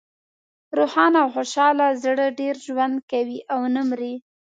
روښانه او خوشحاله زړه ډېر ژوند کوي او نه مری.